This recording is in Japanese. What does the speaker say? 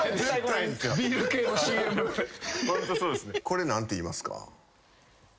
これ何ていいますか？